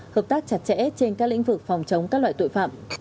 hợp tác chặt chẽ trên các lĩnh vực phòng chống các loại tội phạm